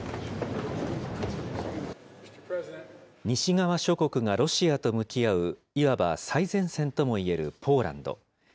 西側諸国がロシアと向き合う、いわば最前線ともいえるポーランド。